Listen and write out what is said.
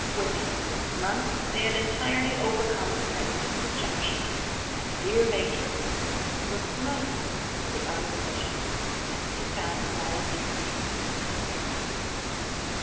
Within six months, they had entirely overcome the president's objection, and a year later Parsons was promoted to the other position at a $2000 increase in salary.